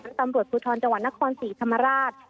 คันตำรวจภูทรจนครศรีธรรมราช